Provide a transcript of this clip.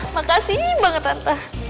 makasih banget tante